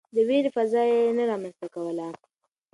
د وېرې فضا يې نه رامنځته کوله.